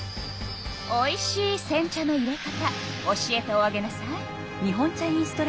おいしいせん茶のいれ方教えておあげなさい。